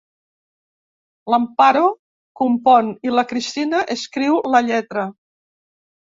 L'Amparo compon i la Cristina escriu la lletra.